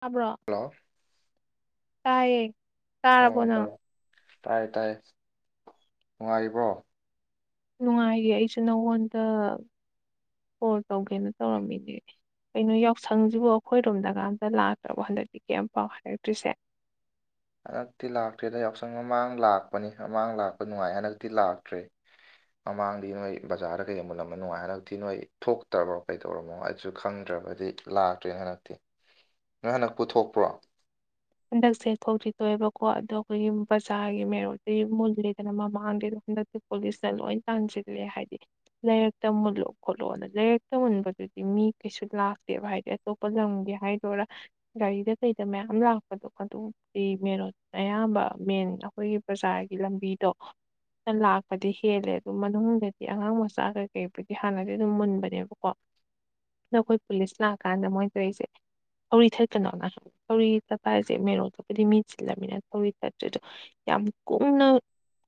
ꯇꯕ꯭ꯔꯣ ꯍꯜꯂꯣ ꯇꯥꯏꯌꯦ ꯇꯥꯔꯕꯣ ꯑꯣ ꯅꯪ ꯇꯥꯏ ꯇꯥꯏ ꯅꯨꯡꯉꯥꯏꯔꯤꯕ꯭ꯔꯣ ꯅꯨꯡꯉꯥꯏꯌꯦ ꯑꯩꯁꯨ ꯅꯉꯣꯟꯗ ꯀꯣꯜ ꯇꯧꯒꯦꯅ ꯇꯧꯔꯝꯃꯤꯅꯦ ꯀꯩꯅꯣ ꯌꯥꯎꯁꯪꯁꯤꯕꯨ ꯑꯩꯈꯣꯏꯔꯣꯝꯗꯀꯝꯇ ꯂꯥꯛꯇ꯭ꯔꯕꯣ ꯍꯟꯗꯛꯇꯤ ꯀꯔꯤꯝ ꯄꯥꯎ ꯍꯥꯏꯔꯛꯇ꯭ꯔꯤꯁꯦ ꯍꯟꯗꯛꯇꯤ ꯂꯥꯛꯇ꯭ꯔꯦꯗ ꯌꯥꯎꯁꯪ ꯃꯃꯥꯡ ꯂꯥꯛꯄꯅꯤ ꯃꯃꯥꯡ ꯂꯥꯛꯄ ꯅꯨꯡꯉꯥꯏ ꯍꯟꯗꯛꯇꯤ ꯂꯥꯛꯇ꯭ꯔꯦ ꯃꯃꯥꯡꯗꯤ ꯅꯣꯏ ꯕꯖꯥꯔꯗ ꯀꯩꯒꯨꯝꯕ ꯅꯝꯃꯅꯣꯉꯥꯏ ꯍꯥꯏꯔꯛꯇꯗꯤ ꯅꯣꯏ ꯊꯣꯛꯇ꯭ꯕꯔꯣ ꯀꯩꯗꯧꯔꯃꯣ ꯍꯥꯏꯁꯨ ꯈꯪꯗ꯭ꯔꯦ ꯕꯗꯤ ꯂꯥꯛꯇ꯭ꯔꯦꯅ ꯍꯟꯗꯛꯇꯤ ꯅꯪ ꯍꯟꯗꯛ ꯄꯨꯊꯣꯛꯄ꯭ꯔꯣ ꯍꯟꯗꯛꯁꯦ ꯊꯣꯛꯇꯤ ꯊꯣꯛꯑꯦꯕꯀꯣ ꯑꯗꯣ ꯑꯩꯈꯣꯏꯒꯤ ꯕꯖꯥꯔꯒꯤ ꯃꯦꯔꯣꯗ ꯃꯨꯜ ꯂꯦꯗꯅ ꯃꯃꯥꯡꯗꯩꯗꯣ ꯍꯟꯗꯛꯇꯤ ꯄꯨꯂꯤꯁꯅ ꯂꯣꯏ ꯇꯥꯟꯁꯤꯜꯂꯦ ꯍꯥꯏꯗꯤ ꯂꯩꯥꯏꯔꯛꯇ ꯃꯨꯜꯂꯣ ꯈꯣꯠꯂꯣꯅ ꯂꯩꯥꯏꯔꯛꯇ ꯃꯨꯟꯕꯗꯨ ꯍꯥꯏꯗꯤ ꯃꯤ ꯀꯩꯁꯨ ꯂꯥꯛꯇꯦꯕ ꯍꯥꯏꯗꯤ ꯑꯇꯣꯞꯄ ꯂꯝꯒꯤ ꯍꯥꯏꯗꯣꯔꯥ ꯒꯥꯔꯤꯗ ꯀꯩꯗ ꯃꯌꯥꯝ ꯂꯥꯛ ꯄꯗꯣ ꯑꯗꯨꯝ ꯄꯔꯤ ꯃꯦꯔꯣꯟ ꯑꯌꯥꯝꯕ ꯃꯦꯟ ꯑꯩꯈꯣꯏꯒꯤ ꯕꯖꯥꯔꯒꯤ ꯂꯝꯕꯤꯗꯣ ꯂꯥꯛꯄꯗꯤ ꯍꯦꯜꯂꯦ ꯑꯗꯨ ꯃꯅꯨꯡꯗꯗꯤ ꯑꯉꯥꯡ ꯃꯆꯥ ꯀꯩꯀꯩꯕꯨꯗꯤ ꯍꯥꯟꯅꯗꯤ ꯑꯗꯨꯝ ꯃꯨꯟꯕꯅꯦꯕꯀꯣ ꯅꯥꯈꯣꯏ ꯄꯨꯂꯤꯁ ꯂꯥꯛꯑꯀꯥꯟꯗ ꯃꯣꯏ ꯇꯧꯔꯤꯁꯦ ꯊꯧꯔꯤ ꯊꯠꯀꯅꯨ ꯀꯥꯏ ꯊꯧꯔꯤ ꯆꯠꯄꯥꯏꯁꯦ ꯃꯦꯔꯣ ꯈꯛꯇꯗꯤ ꯃꯤ ꯆꯤꯜꯂꯝꯃꯤꯅꯦ ꯍꯧꯖꯤꯛ ꯆꯠꯇꯔ꯭ꯦꯗꯣ ꯌꯥꯝ ꯀꯨꯡꯅ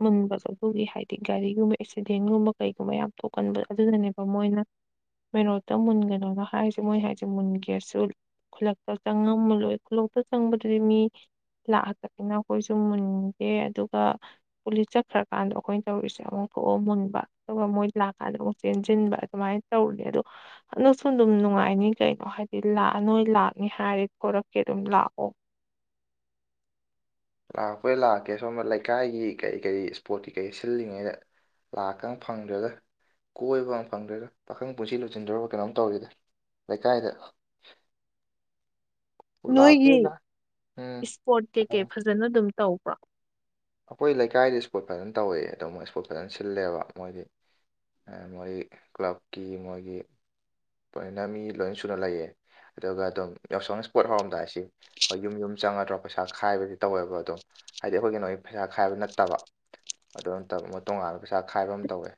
ꯃꯨꯟꯕꯁꯨ ꯑꯗꯨꯒꯤ ꯍꯥꯏꯗꯤ ꯒꯥꯔꯤꯒꯨꯝꯕ ꯑꯦꯛꯁꯤꯗꯦꯟꯒꯨꯝꯕ ꯀꯩꯒꯨꯝꯕ ꯌꯥꯝ ꯊꯣꯛꯀꯟꯕ ꯑꯗꯨꯗꯅꯅꯦꯕ ꯃꯣꯏꯅ ꯃꯦꯔꯣꯠꯇ ꯃꯨꯟꯒꯅꯨꯅꯥ ꯍꯥꯏꯁꯦ ꯃꯣꯏ ꯍꯥꯏꯁꯦ ꯃꯨꯟꯒꯦꯁꯨ ꯈꯨꯂꯛꯇ ꯆꯪꯉꯝ ꯃꯨꯜꯂꯣꯏ ꯈꯨꯂꯣꯛꯇ ꯆꯪꯕꯗꯨꯗꯤ ꯃꯤ ꯂꯥꯛꯍꯥꯛꯇꯛꯅꯤꯅ ꯑꯩꯈꯣꯏꯁꯨ ꯃꯨꯟꯒꯦ ꯑꯗꯨꯒ ꯄꯨꯂꯤꯁ ꯆꯠꯈ꯭ꯔꯀꯥꯟꯗ ꯑꯩꯈꯣꯏꯅ ꯇꯧꯔꯤꯁꯦ ꯑꯃꯨꯛ ꯀꯣꯛꯑꯣ ꯃꯨꯟꯕ ꯑꯗꯨꯒ ꯃꯣꯏ ꯂꯥꯛꯀꯥꯟꯗ ꯑꯃꯨꯛ ꯆꯦꯟꯁꯤꯟꯕ ꯑꯗꯨꯃꯥꯏꯅ ꯇꯧꯔꯦ ꯑꯗꯣ ꯅꯣꯛꯁꯨ ꯗꯨꯝ ꯅꯣꯛ ꯅꯨꯡꯉꯥꯏꯅꯤ ꯀꯩꯅꯣ ꯍꯥꯏꯗꯤ ꯂꯥꯛꯑ ꯅꯣꯏ ꯂꯥꯛꯅꯤ ꯍꯥꯏꯔꯦ ꯈꯣꯠꯂꯛꯀꯦ ꯑꯗꯨꯝ ꯂꯥꯛꯑꯣ ꯂꯥꯛꯄꯣꯏ ꯂꯥꯛꯀꯦ ꯁꯣꯝꯕ ꯂꯩꯀꯥꯏꯒꯤ ꯀꯔꯤ ꯀꯔꯤ ꯏꯁꯄꯣꯔꯠꯀꯤ ꯀꯩ ꯁꯤꯜꯂꯤꯉꯩꯗ ꯂꯥꯛꯀ ꯐꯪꯗ꯭ꯔꯦꯗ ꯀꯣꯏꯕꯒ ꯐꯪꯗ꯭ꯔꯦꯒ ꯄꯥꯈꯪ ꯄꯨꯟꯁꯤ ꯂꯣꯏꯁꯤꯟꯗꯧꯔꯕ ꯀꯩꯅꯣꯝ ꯇꯧꯔꯤꯗ ꯂꯩꯀꯥꯏꯗ [unintelligible] ꯂꯥꯛꯄꯩ ꯅꯣꯏꯒꯤ ꯂꯥꯛ ꯎꯝ ꯏꯁꯄꯣꯔꯠ ꯀꯩꯀꯩ ꯐꯖꯅ ꯑꯗꯨꯝ ꯇꯧꯕ꯭ꯔꯥ ꯑꯩꯈꯣꯏ ꯂꯩꯀꯥꯏꯗꯤ ꯏꯁꯄꯣꯔꯠ ꯐꯖꯅ ꯇꯧꯋꯤ ꯑꯗꯣ ꯃꯣꯏ ꯏꯁꯄꯣꯔꯠ ꯐꯖꯅ ꯁꯤꯜꯂꯦꯕ ꯃꯣꯏꯗꯤ ꯃꯣꯏ ꯀ꯭ꯂꯕꯀꯤ ꯃꯣꯏꯒꯤ ꯂꯣꯏꯅ ꯃꯤ ꯂꯣꯏ ꯁꯨꯅ ꯂꯩꯌꯦꯦ ꯑꯗꯨꯒ ꯑꯗꯨꯝ ꯌꯥꯎꯁꯪ ꯏꯁꯄꯣꯠ ꯍꯧꯔꯝꯗꯥꯏꯁꯤ ꯍꯣꯏ ꯌꯨꯝ ꯌꯨꯝ ꯆꯪꯉꯗ꯭ꯔꯣ ꯄꯩꯁꯥ ꯈꯥꯏꯕꯗꯤ ꯇꯧꯋꯦꯕ ꯑꯗꯨꯝ ꯍꯥꯏꯗꯤ ꯑꯩꯈꯣꯏ ꯀꯩꯅꯣꯒꯤ ꯄꯩꯁꯥ ꯈꯥꯏꯕ ꯅꯠꯇꯕ ꯑꯗꯨ ꯑꯃ ꯇꯣꯉꯥꯟꯅ ꯄꯩꯁꯥ ꯈꯥꯏꯕ ꯑꯃ ꯇꯧꯋꯦ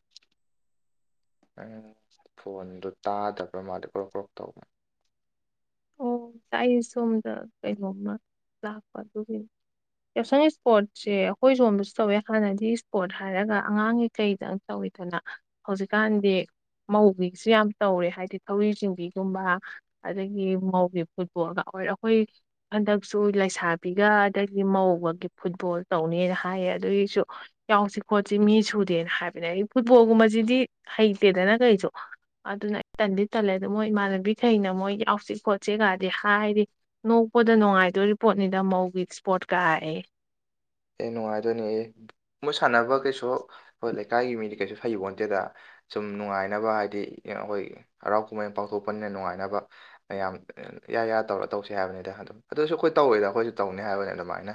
ꯎꯝ ꯐꯣꯟꯗꯣ ꯇꯥꯗꯕ꯭ꯔꯥ ꯃꯥꯗꯤ ꯀ꯭ꯔꯣꯛ ꯀ꯭ꯔꯣꯛ ꯇꯧꯕ ꯑꯣ ꯇ ꯁꯣꯝꯗ ꯀꯩꯅꯣꯝꯃ ꯂꯥꯛꯄ ꯑꯗꯨꯒꯤꯅꯤ ꯌꯥꯎꯁꯪ ꯏꯁꯄꯣꯔꯠꯁꯦ ꯑꯩꯈꯣꯏ ꯁꯣꯟꯝꯕꯁꯨ ꯇꯧꯋꯦ ꯍꯥꯟꯅꯗꯤ ꯏꯁꯄꯣꯔꯠ ꯍꯥꯏꯔꯒ ꯑꯉꯥꯡꯒꯤꯩ ꯀꯩꯗꯪ ꯇꯧꯏꯤ ꯗꯅ ꯍꯧꯖꯤꯛꯀꯥꯟꯗꯤ ꯃꯧꯒꯤꯁꯨ ꯌꯥꯝ ꯇꯧꯔꯦ ꯍꯥꯏꯗꯤ ꯊꯧꯔꯤ ꯆꯤꯡꯕꯤꯒꯨꯝꯕ ꯑꯗꯒꯤ ꯉꯧꯒꯤ ꯐꯨꯠꯕꯣꯜꯒ ꯑꯣꯏꯔ ꯑꯩꯈꯣꯏ ꯍꯟꯗꯛꯁꯨ ꯂꯩꯁꯥꯕꯤꯒ ꯑꯩꯗꯒꯤ ꯉꯧꯕꯒꯤ ꯐꯨꯠꯕꯣꯜ ꯇꯧꯅꯤꯅ ꯍꯥꯏꯌꯦ ꯑꯗꯨꯒꯤꯁꯨ ꯌꯥꯎꯁꯤ ꯈꯣꯠꯁꯤ ꯃꯤ ꯁꯨꯗꯦꯅ ꯍꯥꯏꯕꯅꯦ ꯑꯩ ꯐꯨꯠꯕꯣꯜꯒꯨꯝꯕꯁꯤꯗꯤ ꯍꯩꯇꯦꯗꯅ ꯀꯩꯁꯨ ꯑꯗꯨꯅ ꯑꯩ ꯇꯟꯗꯤ ꯇꯜꯂꯦ ꯑꯗꯨꯗꯣ ꯃꯣꯏ ꯏꯃꯥꯟꯅꯕꯤꯈꯩꯅ ꯃꯣꯏ ꯌꯥꯎꯁꯤ ꯈꯣꯠ ꯆꯦꯀꯥꯗꯤ ꯍꯥꯏꯗꯤ ꯅꯣꯛꯄꯗ ꯅꯨꯡꯉꯥꯏꯗꯣꯔꯤ ꯄꯣꯠꯅꯤꯅ ꯃꯧꯒꯤ ꯏꯁꯄꯣꯠꯀꯑꯦ [unintelligible] ꯑꯦ ꯅꯨꯡꯉꯥꯏꯗꯣꯏꯅꯦ ꯑꯦ ꯃꯣꯏꯠ ꯁꯥꯟꯅꯕ ꯀꯩꯁꯨ ꯍꯣꯏ ꯂꯩꯀꯥꯏꯒꯤ ꯃꯤꯗꯤ ꯀꯩꯁꯨ ꯐꯩꯕꯣꯟꯇꯦꯗ ꯁꯨꯝ ꯅꯨꯡꯉꯥꯏꯅꯕ ꯍꯥꯏꯗꯤ ꯑꯩꯈꯣꯏ ꯍꯔꯥꯎ ꯀꯨꯝꯍꯩ ꯄꯥꯡꯊꯣꯛꯄꯅꯤꯅ ꯅꯨꯡꯉꯥꯏꯅꯕ ꯃꯌꯥꯝ ꯏ ꯌꯥ ꯇꯧꯔꯒ ꯇꯧꯁꯤ ꯍꯥꯏꯕꯅꯤꯗ ꯑꯗꯨꯝ ꯑꯗꯨꯁꯨ ꯑꯩꯈꯣꯏ ꯇꯧꯋꯤꯗ ꯑꯩꯈꯣꯏꯁꯨ ꯇꯧꯅꯤ ꯍꯥꯏꯕꯅꯤ ꯑꯗꯨꯃꯥꯏꯅ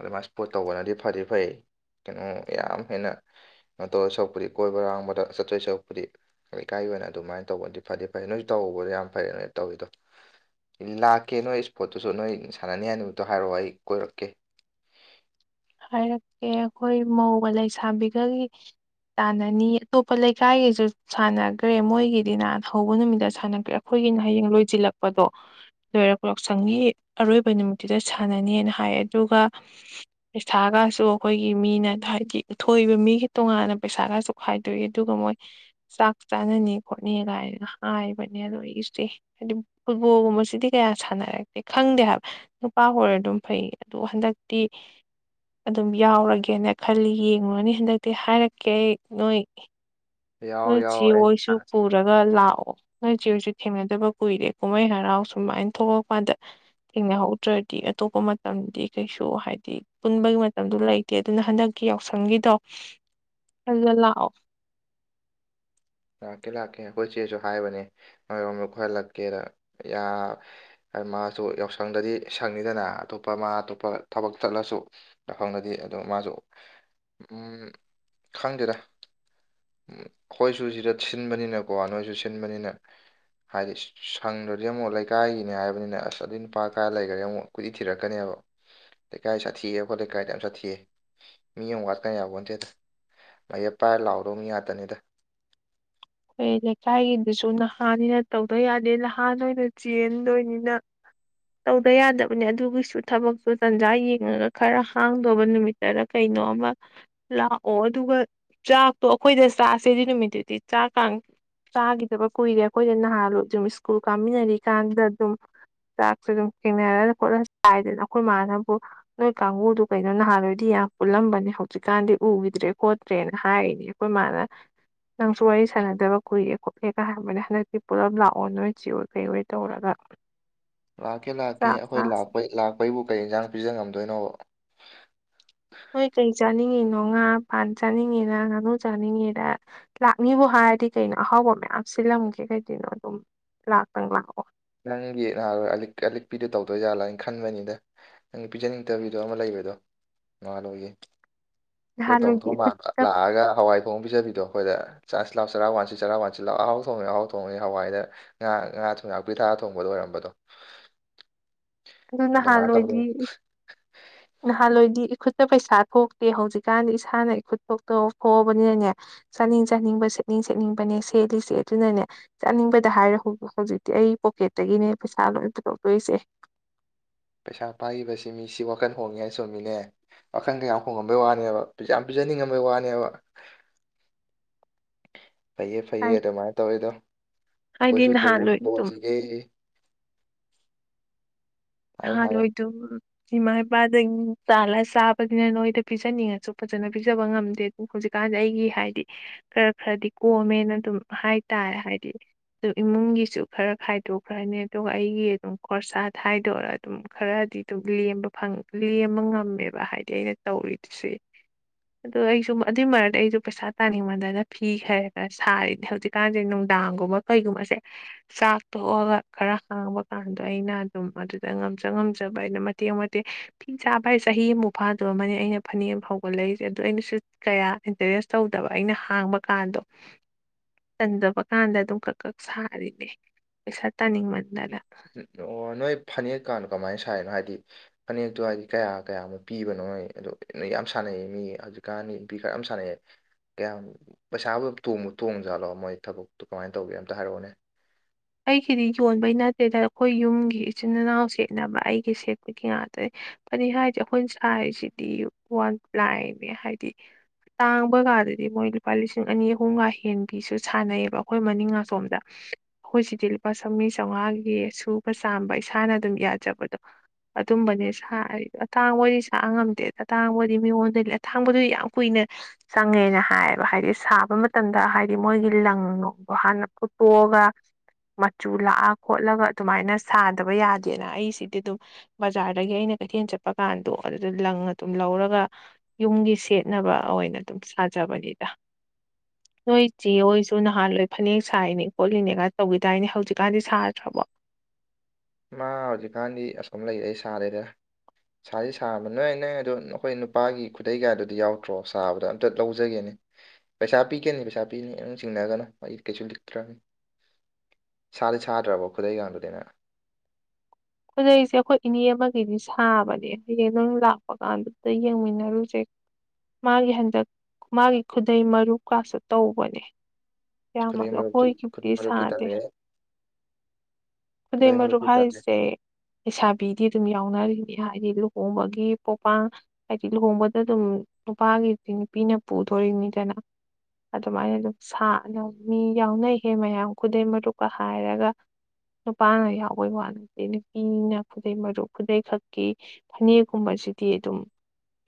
ꯑꯗꯨꯃꯥꯏ ꯄꯣꯠ ꯇꯧꯕꯅꯗꯤ ꯐꯗꯤ ꯐꯩ ꯀꯩꯅꯣ ꯌꯥꯝ ꯍꯦꯟꯅ ꯀꯩꯅꯣ ꯇꯧꯔ ꯁꯔꯨꯛꯄꯨꯗꯤ ꯀꯣꯏꯕ ꯂꯥꯡꯕꯗ ꯆꯠꯆꯣꯏ ꯁꯔꯨꯛꯄꯨꯗꯤ ꯂꯩꯀꯥꯏ ꯑꯣꯏꯅ ꯑꯗꯨꯃꯥꯏꯅ ꯇꯧꯕꯗꯤ ꯐꯗꯤ ꯐꯩ ꯅꯣꯏꯁꯨ ꯇꯍꯧꯕꯗꯣ ꯌꯥꯝ ꯐꯩꯌꯦ ꯅꯣꯏ ꯇꯧꯔꯤꯗꯣ ꯂꯥꯛꯀꯦ ꯅꯣꯏ ꯏꯁꯄꯣꯔꯠꯇꯨꯁꯨ ꯅꯣꯏ ꯁꯥꯟꯅꯅꯤ ꯍꯥꯏꯅꯤꯗꯣ ꯍꯥꯏꯔꯛꯑꯣ ꯑꯩ ꯀꯣꯏꯔꯛꯀꯦ ꯍꯥꯏꯔꯛꯀꯦ ꯑꯩꯈꯣꯏ ꯃꯧꯒ ꯂꯩꯁꯥꯕꯤꯒꯒꯤ ꯇꯥꯟꯅꯅꯤ ꯑꯇꯣꯞꯄ ꯂꯩꯀꯥꯏꯒꯤꯁꯨ ꯁꯥꯟꯅꯈ꯭ꯔꯦ ꯃꯣꯏꯒꯤꯗꯤꯅ ꯍꯧꯕ ꯅꯨꯃꯤꯠꯇ ꯁꯥꯟꯅꯈ꯭ꯔꯦ ꯑꯩꯈꯣꯏ ꯑꯩꯒꯤꯅ ꯍꯌꯦꯡ ꯂꯣꯏꯁꯤꯜꯂꯛꯄꯗꯣ ꯂꯣꯏꯔꯒ ꯌꯥꯎꯁꯪꯒꯤ ꯑꯔꯣꯏꯕ ꯅꯨꯃꯤꯠꯇꯨꯗ ꯁꯥꯟꯅꯅꯤꯅ ꯍꯥꯏ ꯑꯗꯨꯒꯗꯨ ꯄꯩꯁꯥꯒꯁꯨ ꯑꯩꯈꯣꯏꯒꯤ ꯃꯤꯅ ꯍꯥꯏꯗꯤ ꯎꯊꯣꯛꯏꯕ ꯃꯤꯒꯤ ꯇꯣꯉꯥꯟꯅ ꯄꯩꯁꯥꯒꯁꯨ ꯈꯥꯏꯗꯣꯛꯏ ꯑꯗꯨꯒ ꯃꯣꯏ ꯆꯥꯛ ꯆꯥꯅꯅꯤ ꯈꯣꯠꯅꯤ ꯀꯥꯏꯅ ꯍꯥꯏꯕꯅꯦ ꯑꯗꯣ ꯑꯩꯁꯦ ꯍꯥꯏꯗꯤ ꯐꯨꯠꯕꯣꯜꯒꯨꯝꯕ ꯁꯤꯗꯤ ꯀꯌꯥ ꯁꯥꯟꯅꯔꯛꯇꯦ ꯈꯪꯗꯦ ꯍꯥꯏꯕ ꯅꯨꯄꯥ ꯍꯔ ꯑꯗꯨꯝ ꯐꯩ ꯑꯗꯨ ꯍꯟꯗꯛꯇꯤ ꯑꯗꯨꯝ ꯌꯥꯎꯔꯒꯦꯅ ꯈꯜꯂꯤ ꯌꯦꯡꯉꯨꯔꯅꯤ ꯍꯟꯗꯛꯇꯤ ꯍꯥꯏꯔꯛꯀꯦ ꯑꯩ ꯅꯣꯏ ꯌꯥꯎ ꯅꯣꯏ ꯆꯦ ꯌꯥꯎ ꯑꯩ ꯍꯣꯏꯁꯨ ꯄꯨꯔꯒ ꯂꯥꯛꯑꯣ ꯅꯣꯏ ꯆꯤ ꯍꯁꯨ ꯊꯦꯡꯅꯗꯕ ꯀꯨꯏꯔꯦ ꯀꯨꯝꯍꯩ ꯍꯔꯥꯎ ꯁꯨꯃꯥꯏꯅ ꯊꯣꯛꯂꯛ ꯀꯥꯟꯗ ꯊꯦꯡꯅꯍꯧꯗ꯭ꯔꯗꯤ ꯑꯇꯣꯞꯄ ꯃꯇꯝꯗꯤ ꯀꯩꯁꯨ ꯍꯥꯏꯗꯤ ꯄꯨꯟꯕꯒꯤ ꯃꯇꯝꯗꯨ ꯂꯩꯇꯦ ꯑꯗꯨꯅ ꯍꯟꯗꯛꯤ ꯌꯥꯎꯁꯪꯒꯤꯗꯣ ꯑꯗꯨ ꯂꯥꯛꯑꯣ ꯂꯥꯛꯀꯦ ꯂꯥꯛꯀꯦ ꯑꯩꯈꯣꯏ ꯆꯦꯁꯨ ꯍꯥꯏꯕꯅꯦ ꯃꯗ ꯀꯣꯏꯍꯜꯂꯛꯀꯦꯗ ꯍꯥꯏꯗꯤ ꯃꯥꯁꯨ ꯌꯥꯎꯁꯪꯗꯗꯤ ꯁꯪꯅꯤꯗꯅ ꯑꯇꯣꯞꯄ ꯃꯥ ꯑꯇꯣꯞꯄ ꯊꯕꯛ ꯆꯠꯂꯁꯨ ꯌꯥꯎꯁꯪꯗꯗꯤ ꯑꯗ ꯃꯥꯁꯨ ꯈꯪꯗꯦꯔ ꯑꯩꯈꯣꯏ ꯁ ꯁꯤ ꯆꯠ ꯁꯤꯟꯕꯅꯤꯅꯀꯣ ꯅꯣꯏꯁꯨ ꯁꯤꯟꯕꯅꯤꯅ ꯍꯥꯏꯗꯤ ꯁꯪꯗꯨꯗꯤ ꯑꯃꯨꯛ ꯂꯩꯀꯥꯏꯒꯤꯅꯦ ꯍꯥꯏꯕꯅꯤꯅ ꯑꯁ ꯑꯗꯨꯏ ꯅꯨꯄꯥ ꯀꯥꯏ ꯂꯩꯈꯔꯦ ꯑꯃꯨꯛ ꯀꯨꯏ ꯊꯤꯔꯛꯀꯅꯦꯕ ꯂꯩꯀꯥꯏ ꯁꯥꯊꯤꯑ ꯑꯩꯈꯣ ꯂꯩꯀꯥꯏꯗ ꯌꯥꯝ ꯁꯥꯊꯤꯌꯦ ꯃꯤ ꯑꯃ ꯋꯥꯠꯀꯅꯤ ꯌꯥꯕꯟꯇꯦꯗ ꯃꯌꯦꯛ ꯄꯥꯏꯔ ꯂꯥꯎꯔꯣ ꯌꯥꯗꯅꯤꯗ ꯑꯩꯈꯣꯏ ꯂꯩꯀꯥꯏꯒꯤꯗꯨꯁꯨ ꯅꯍꯥꯅꯤꯅ ꯇꯧꯗ ꯌꯥꯗꯦ ꯅꯍꯥꯟꯣꯏ ꯑꯣꯏꯅ ꯆꯦꯟꯗꯣꯏꯅꯤꯅ ꯇꯧꯗ ꯌꯥꯗꯕꯅꯦ ꯑꯗꯨꯒꯤꯁꯨ ꯊꯕꯛꯇꯨ ꯇꯟꯖꯥ ꯌꯦꯡꯉꯒ ꯈꯔ ꯍꯥꯡꯗꯕ ꯅꯨꯃꯤꯠꯇꯔ ꯀꯩꯅꯣ ꯀꯩꯅꯣꯃ ꯂꯥꯛꯑꯣ ꯑꯗꯨꯒ ꯆꯥꯛꯇꯣ ꯑꯩꯈꯣꯏꯗ ꯆꯥꯁꯦꯗꯤ ꯅꯨꯃꯤꯠꯇꯨꯗꯤ ꯆꯥꯛ ꯀꯥꯡ ꯆꯥꯈꯤꯗꯕ ꯀꯨꯏꯔꯦ ꯑꯩꯈꯣꯏꯗ ꯅꯍꯥꯔꯣ ꯑꯗꯨꯝ ꯁ꯭ꯀꯨꯜ ꯀꯥꯃꯤꯟꯅꯔꯤꯀꯥꯟꯗ ꯑꯗꯨꯝ ꯆꯥꯛꯁꯨ ꯑꯗꯨꯝ ꯊꯦꯡꯅꯔ ꯈꯣꯠꯂ ꯆꯥꯏꯗꯅ ꯑꯩꯈꯣꯏ ꯏꯃꯅꯕꯨ ꯅꯣꯏ ꯀꯥꯡꯕꯨꯗꯨ ꯀꯩꯅꯣ ꯅꯍꯥꯟꯜꯂꯣꯏꯗꯤ ꯌꯥꯝ ꯎꯜꯂꯝꯕꯅꯦ ꯍꯧꯖꯤꯛꯀꯥꯟꯗꯤ ꯎꯈꯤꯗ꯭ꯔꯦ ꯈꯣꯠꯇ꯭ꯔꯦꯅ ꯍꯥꯏꯔꯤꯅꯦ ꯑꯩꯈꯣꯏ ꯃꯥꯅ ꯅꯪꯁꯨ ꯋꯥꯔꯤ ꯁꯥꯟꯅꯗꯕ ꯀꯨꯏꯔꯦ ꯈꯣꯠꯂꯦꯒ ꯍꯥꯏꯕꯅꯦ ꯍꯟꯗꯛꯇꯤ ꯄꯨꯂꯞ ꯂꯥꯛꯑꯣ ꯅꯣꯏ ꯆꯤꯔꯣꯏ ꯀꯩꯔꯣꯏ ꯇꯧꯔꯒ [unintelligible] ꯂꯥꯛꯀꯦ ꯂꯥꯛꯀꯦ ꯆꯥꯛ ꯑꯩꯈꯣꯏ ꯆꯥꯁꯦ ꯂꯥꯛꯄ ꯂꯥꯛꯄꯩꯕꯨ ꯀꯩ ꯏꯟꯁꯥꯡ ꯄꯤꯖ ꯉꯝꯗꯣꯏꯅꯣꯕ ꯅꯣꯏ ꯀꯔꯤ ꯆꯥꯅꯤꯡꯉꯤꯅꯣ ꯉꯥ ꯄꯥꯟ ꯆꯥꯅꯤꯡꯉꯤꯗ ꯉꯥꯅꯨ ꯆꯥꯅꯤꯡꯉꯤꯗ ꯂꯥꯛꯅꯤꯕꯨ ꯍꯥꯟꯅ ꯍꯥꯏꯗꯤ ꯀꯩꯅꯣ ꯑꯍꯥꯎꯕ ꯃꯌꯥꯝ ꯁꯤꯜꯂꯝꯒꯦ ꯀꯩꯒꯤꯅꯣ ꯑꯗꯨꯝ ꯂꯥꯛꯇꯪ ꯂꯥꯛꯑꯣ ꯅꯪꯒꯤ ꯅꯍꯥꯥꯟꯔꯣ ꯑꯂꯤꯛꯄꯤꯗꯨꯣ ꯇꯧꯗꯣꯏꯖꯥꯠꯂꯥꯅ ꯈꯟꯕꯅꯤꯗ ꯅꯪꯒꯤ ꯄꯤꯖꯅꯤꯡꯗꯕꯤꯗꯣ ꯑꯃ ꯂꯩꯕ ꯣ ꯅꯥꯜꯂꯣꯏꯒꯤꯦ ꯅꯍꯥꯟꯋꯥꯏꯗꯤ ꯏꯈꯨꯠꯇ ꯂꯥꯛꯑꯒ ꯍꯋꯥꯏ ꯊꯣꯡ ꯄꯤꯖꯕꯤꯗꯣ ꯑꯩꯈꯣꯏꯗ ꯆꯥꯛ ꯂꯥꯛꯥꯎ ꯆꯔꯥꯛ ꯋꯥꯁꯤ ꯆꯔꯥꯛ ꯋꯥꯟꯁꯤ ꯂꯥꯛ ꯑꯍꯥꯎ ꯊꯣꯡꯉꯤ ꯑꯍꯥꯎ ꯊꯣꯡꯉꯤ ꯍꯋꯥꯏꯗ ꯉꯥ ꯉꯥ ꯊꯣꯡꯌꯥꯥꯛꯄ ꯅꯨꯄꯤ ꯊꯥ ꯊꯣꯡꯕꯗꯣ ꯑꯣꯏꯔꯝꯕꯗꯣ ꯑꯗꯨ ꯑꯗꯨꯃꯥꯏꯅ ꯇꯧꯔꯦ ꯅꯍꯥꯟꯋꯥꯏꯗꯤ ꯅꯍꯥꯟꯋꯥꯏꯗꯤ ꯏꯈꯨꯠꯇ ꯄꯩꯁꯥ ꯊꯣꯛꯇꯦ ꯍꯧꯖꯤꯛꯀꯥꯟꯗꯤ ꯏꯁꯥꯅ ꯏꯈꯨꯠ ꯊꯣꯛꯇ ꯊꯣꯛꯑꯕꯅꯤꯅꯅꯦ ꯆꯥꯅꯤꯡ ꯆꯥꯅꯤꯡꯕ ꯁꯦꯠꯅꯤꯡ ꯁꯦꯠꯅꯤꯡꯕꯅꯦ ꯁꯦꯠꯂꯤꯁꯦ ꯑꯗꯨꯅꯅꯦ ꯆꯥꯅꯤꯡꯕꯗ ꯍꯥꯏꯔꯣ ꯍꯧꯖꯤꯛꯇꯤ ꯑꯩ ꯇꯀꯦꯠꯇꯒꯤꯅꯦ ꯄꯩꯁꯥ ꯂꯣꯏꯇ ꯇꯧꯗꯣꯏꯁꯦ ꯄꯩꯁꯥ ꯄꯥꯏꯈꯤꯕꯁꯤ ꯃꯤꯁꯤ ꯋꯥꯈꯜ ꯍꯣꯡꯉꯦ ꯍꯥꯏꯅ ꯆꯣꯝꯃꯤꯅꯦ ꯋꯥꯈꯟꯗ ꯌꯥꯝ ꯍꯣꯡꯉꯝꯕꯩ ꯋꯥꯅꯦꯕ ꯌꯥꯝ ꯆꯅꯤꯡꯉꯝꯕꯒꯤ ꯋꯥꯅꯦꯕ [unintelligible] ꯐꯩꯌꯦ ꯐꯩꯌꯦ ꯑꯗꯨꯃꯥꯏꯅ ꯇꯧꯋꯤꯗꯣ ꯍꯥꯏꯗꯤ ꯑꯩꯈꯣꯏꯁꯨ ꯇꯧꯕ ꯅꯍꯥꯟ ꯂꯣꯏ ꯉꯝꯕ ꯑꯗꯨꯝ ꯍꯧꯁꯤꯒ ꯍꯥꯏꯌꯨ ꯍ ꯍꯥꯏꯌꯨ ꯂꯣꯏꯣꯏꯗꯨ ꯏꯃꯥ ꯏꯄꯥꯗ ꯆꯥꯂ ꯆꯥꯕꯅꯤꯅ ꯅꯣꯏꯗ ꯄꯤꯖꯅꯤꯡꯉꯁꯨ ꯐꯖꯅ ꯄꯤꯖꯕ ꯉꯝꯗꯦ ꯑꯗꯨ ꯍꯧꯛ ꯍꯧꯖꯤꯛꯀꯥꯟꯗꯤ ꯑꯩꯒꯤ ꯍꯥꯏꯗꯤ ꯈꯔ ꯈꯔꯗꯤ ꯀꯣꯝꯃꯦꯅ ꯑꯗꯨꯝ ꯍꯥꯏꯇꯥꯔꯦ ꯍꯥꯏꯗꯤ ꯑꯗꯨ ꯏꯃꯨꯡꯒꯤꯁꯨ ꯈꯔ ꯈꯥꯏꯗꯣꯛꯈ꯭ꯔꯅꯤ ꯑꯗꯨꯒ ꯑꯩꯒꯤ ꯑꯗꯨꯝ ꯀꯣꯔꯣꯔꯁꯥ ꯍꯥꯏ ꯑꯗꯨꯗꯔ ꯑꯗꯨꯝ ꯈꯔꯗꯤ ꯑꯗꯨꯝ ꯂꯦꯝꯕ ꯉꯝꯃꯦꯕ ꯍꯥꯏꯗꯤ ꯑꯩꯅ ꯇꯧꯔꯤꯗꯨꯁꯦ ꯑꯗꯣ ꯑꯩꯁꯨ ꯑꯗꯨꯏ ꯃꯔꯛꯇ ꯑꯩꯁꯨ ꯄꯩꯁꯥ ꯇꯥꯅꯤꯡꯉꯗꯅ ꯐꯤ ꯈꯔ ꯈꯔ ꯁꯥꯔꯤꯅꯤ ꯍꯧꯖꯤꯛꯀꯥꯟꯁꯦ ꯗꯥꯡꯒꯨꯝꯕ ꯀꯩꯒꯨꯝꯕꯁꯦ ꯆꯥꯛ ꯇꯣꯛꯑꯒ ꯈꯔ ꯍꯥꯡꯕ ꯀꯥꯟꯗꯣ ꯑꯩꯅ ꯑꯗꯨꯝ ꯑꯗꯨ ꯉꯝꯖ ꯉꯝꯖꯕ ꯑꯩꯅ ꯃꯇꯦꯛ ꯃꯇꯦꯛ ꯐꯤ ꯆꯥꯕ ꯍꯥꯏ ꯆꯍꯤ ꯑꯃꯨꯛ ꯐꯥꯗ꯭ꯔꯝꯅꯤ ꯑꯩꯅ ꯐꯅꯦꯛ ꯐꯥꯎꯒꯠꯂ ꯂꯩꯁꯦ ꯑꯗꯨ ꯑꯩꯅꯁꯨ ꯀꯌꯥ ꯏꯟꯀꯔꯦꯖ ꯇꯧꯗꯕ ꯑꯩꯅ ꯍꯥꯡꯕ ꯀꯥꯟꯗꯣ ꯆꯟꯖꯕ ꯀꯥꯟꯗ ꯑꯗꯨꯝ ꯈꯛ ꯈꯛ ꯁꯥꯔꯤꯅꯦ ꯄꯩꯁꯥ ꯇꯥꯅꯤꯡꯃꯟꯗꯅ ꯎ ꯑꯣ ꯅꯣꯏ ꯐꯅꯦꯛꯀꯥꯟꯗꯣ ꯀꯃꯥꯏꯅ ꯁꯥꯏꯅꯣ ꯍꯥꯏꯗꯤ ꯐꯅꯦꯛꯇꯣ ꯍꯥꯏꯗꯤ ꯀꯌꯥ ꯀꯌꯥ ꯑꯃ ꯄꯤꯕꯅꯣ ꯍꯣꯏ ꯑꯗꯨꯣ ꯌꯥꯝ ꯁꯥꯟꯅꯩꯌꯦ ꯃꯤ ꯍꯧꯖꯤꯛꯀꯥꯟꯅꯤ ꯅꯨꯄꯤ ꯈꯔ ꯌꯥꯝ ꯁꯥꯟꯅꯩꯌꯦ ꯀꯌꯥꯝ ꯄꯩꯁꯥꯕꯨꯣꯡꯕ ꯇꯣꯡꯖꯥꯠꯂꯣ ꯃꯣꯏ ꯊꯕꯛꯇꯨ ꯀꯃꯥꯏꯅ ꯇꯧꯒꯦ ꯑꯝꯇ ꯍꯥꯏꯔꯛꯑꯣꯅꯦ ꯑꯩꯒꯤꯗꯤ ꯌꯣꯟꯕꯩ ꯅꯠꯇꯦꯗ ꯑꯩꯈꯣꯏ ꯌꯨꯝꯒꯤ ꯏꯆꯤꯟ ꯏꯅꯥꯎ ꯁꯦꯠꯅꯕ ꯑꯩꯒꯤ ꯁꯦꯠꯄꯒꯤ ꯉꯥꯛꯇ ꯐꯅꯤ ꯍꯥꯏꯗꯤ ꯑꯩꯈꯣꯏ ꯁꯁꯤꯗꯤ ꯋꯥꯟ ꯄ꯭ꯂꯥꯏꯅꯦ ꯍꯥꯏꯗꯤ ꯇꯥꯡꯕ ꯀꯥꯟꯗꯗꯤ ꯃꯣꯏ ꯂꯨꯄꯥ ꯂꯤꯁꯤꯡ ꯑꯅꯤ ꯑꯍꯨꯝꯒ ꯍꯦꯟꯒꯤꯁꯨ ꯁꯥꯟꯅꯩꯑꯌꯦꯕ ꯑꯩꯈꯣꯏ ꯃꯅꯤꯡ ꯉꯥꯁꯣꯝꯗ ꯑꯩꯈꯣꯏꯁꯤꯗꯤ ꯂꯨꯄꯥ ꯆꯥꯃ ꯆꯥꯝꯃꯉꯥꯒꯤ ꯁꯨꯕ ꯆꯥꯝꯕ ꯏꯁꯥꯅ ꯑꯗꯨꯝ ꯌꯥꯖꯕꯗꯣ ꯑꯗꯨꯝꯕꯅꯦ ꯁꯥꯏ ꯑꯇꯥꯡꯕꯗꯤ ꯁ ꯉꯝꯗꯦ ꯑꯇꯥꯡꯕꯗꯤ ꯃꯤꯉꯣꯟꯗ ꯑꯇꯥꯡꯕꯗꯨꯗꯤ ꯌꯥꯝ ꯀꯨꯏꯅꯩ ꯆꯪꯉꯦꯅ ꯍꯥꯏꯌꯦꯕ ꯍꯥꯏꯗꯤ ꯁꯥꯕ ꯃꯇꯝꯗ ꯍꯥꯏꯗꯤ ꯃꯣꯏꯒꯤ ꯂꯪꯣ ꯍꯥꯟꯅ ꯐꯨꯣ ꯍꯒ ꯃꯆꯨ ꯂꯥꯛꯑ ꯈꯣꯠꯂꯒ ꯑꯗꯨꯃꯥꯏꯅ ꯁꯥꯗꯕ ꯌꯥꯗꯦꯅ ꯑꯩꯁꯤꯗꯤ ꯑꯗꯨꯝ ꯕꯖꯥꯔꯗꯒꯤ ꯑꯩꯅ ꯀꯩꯊꯦꯜ ꯆꯠꯄ ꯀꯥꯟꯗꯣ ꯑꯗꯨꯗ ꯂꯪꯅ ꯑꯗꯨꯝ ꯂꯧꯔꯒ ꯌꯨꯝꯒꯤ ꯁꯦꯠꯅꯕ ꯑꯣꯏꯅ ꯑꯗꯨꯝ ꯊꯥꯖꯕꯅꯤꯗ ꯅꯣꯏ ꯆꯦ ꯍꯣꯏꯁꯨ ꯅꯍꯥꯟꯋꯥꯣꯏ ꯐꯅꯦꯛ ꯁꯔꯤꯅꯦ ꯈꯣꯠꯂꯤꯅꯦꯒ ꯇꯧ ꯇꯏꯅꯦ ꯍꯧꯖꯤꯛꯀꯥꯟꯗꯤ ꯁꯥꯗ꯭ꯔꯕꯣ ꯃꯥ ꯍꯧꯖꯤꯛꯀꯥꯟꯗꯤ ꯑꯁꯨꯝ ꯂꯩꯔ ꯑꯩ ꯁꯥꯔꯦꯗ ꯁꯥꯗꯤ ꯁꯥꯕ ꯅꯣꯏ ꯅꯪ ꯑꯗꯣ ꯅꯈꯣꯏ ꯅꯨꯄꯥꯒꯤ ꯈꯨꯗꯩ ꯀꯥꯏꯗꯨꯗꯤ ꯌꯥꯎꯗ꯭ꯔꯣ ꯁꯥꯕꯗꯣ ꯑꯝꯇ ꯂꯧꯖꯒꯦꯅꯦ ꯄꯩꯁꯥ ꯄꯤꯒꯅꯤ ꯄꯩꯁꯥ ꯄꯤꯅꯤ ꯅꯪ ꯆꯤꯡꯅꯒꯅꯨ ꯑꯩ ꯀꯩꯁꯨ ꯂꯤꯛꯇ꯭ꯔꯅꯤ [inaudible] ꯁꯥꯗꯤ ꯁꯥꯗ꯭ꯔꯕꯣ ꯈꯨꯗꯩꯀꯗꯨꯗꯤꯅꯦ ꯈꯨꯗꯩꯁꯦ ꯑꯩꯈꯣꯏ ꯏꯅꯦ ꯑꯃꯒꯤꯗꯤ ꯁꯥꯕꯅꯦ ꯍꯌꯦꯡ ꯑꯗꯨꯝ ꯂꯥꯛꯄ ꯀꯥꯟꯗꯨꯗ ꯌꯦꯡꯃꯤꯟꯅꯔꯨꯁꯦ ꯃꯥꯒꯤ ꯍꯟꯗꯛ ꯃꯥꯒꯤ ꯈꯨꯗꯩ ꯃꯔꯨ ꯀꯇ ꯇꯧꯕꯅꯦ ꯈꯨꯗꯩ ꯌꯥꯃꯗꯣ ꯃꯔꯨꯞꯇꯨ ꯍꯣꯏ ꯀ ꯄ ꯈꯨꯗꯩ ꯃꯔꯨꯞꯇꯨ ꯁꯥꯗꯦ ꯇꯜꯂꯦ ꯈꯨꯗꯩ ꯃꯔꯨ ꯃꯔꯨꯞꯇꯨ ꯇꯜꯂꯦ ꯍꯥꯏꯥꯏꯁꯦ ꯂꯩꯁꯥꯕꯤꯗꯤ ꯑꯗꯨꯝ ꯌꯥꯎꯅꯔꯤꯅꯦ ꯍꯥꯏꯗꯤ ꯂꯨꯍꯣꯡꯕꯒꯤ ꯄꯣꯛꯄꯥꯡ ꯍꯥꯏꯗꯤ ꯂꯨꯍꯣꯡꯕꯗ ꯑꯗꯨꯝ ꯅꯨꯄꯥꯒꯤꯗꯤ ꯅꯨꯄꯤꯅ ꯄꯨꯊꯣꯔꯤꯅꯤꯗꯅ ꯑꯗꯨꯃꯥꯏꯅ ꯑꯗꯨꯝ ꯃꯤ ꯌꯥꯎꯅꯩꯍꯦ ꯃꯌꯥꯝ ꯈꯨꯗꯩ ꯃꯔꯨꯞꯀ ꯍꯥꯏꯔꯒ ꯅꯨꯄꯥꯅ ꯌꯥꯎꯕꯩ ꯋꯥꯠꯂꯠꯇꯅꯤ ꯃꯤꯅ ꯈꯨꯗꯩ ꯃꯔꯨꯞ ꯈꯨꯗꯩꯈꯛꯀꯤ ꯐꯅꯦꯛꯀꯨꯝꯕꯁꯤꯗꯤ ꯑꯗꯨꯝ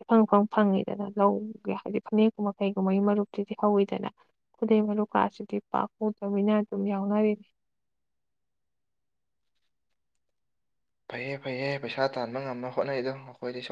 ꯏꯐꯪ ꯏꯐꯪ ꯐꯪꯉꯤꯗꯅ ꯂꯧꯒ ꯍꯥꯏꯕꯗꯤ ꯐꯅꯦꯛꯀꯨꯝꯕ ꯀꯩꯒꯨꯝꯕꯒꯤ ꯃꯔꯨꯞꯇꯨꯗꯤ ꯍꯧꯋꯤꯗꯅ ꯈꯨꯗꯩ ꯃꯔꯨ ꯀꯥꯁꯤꯗꯤ ꯄꯥꯛꯉꯨꯗꯕꯤꯅ ꯑꯗꯨꯝ ꯌꯥꯎꯅꯔꯤꯅꯤ [unintelligible] ꯐꯩꯌꯦ ꯐꯩꯌꯦ ꯄꯩꯁꯥ ꯇꯥꯟꯕ ꯉꯝꯅ ꯍꯣꯠꯅꯩꯗꯣ ꯑꯩꯈꯣꯏꯗꯤ ꯁ